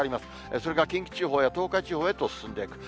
それから近畿地方や東海地方へと進んでいく。